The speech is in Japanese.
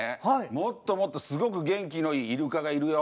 もっともっとすごく元気のいいイルカがいるよ。